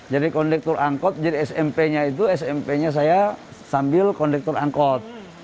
jadi kondektur angkot jadi smp nya itu smp nya saya sambil kondektur angkot